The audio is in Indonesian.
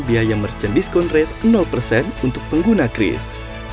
biaya merchant discount rate persen untuk pengguna kris